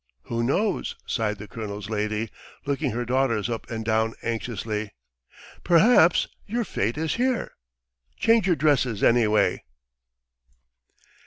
Who knows," sighed the colonel's lady, looking her daughters up and down anxiously, "perhaps your fate is here. Change your dresses anyway.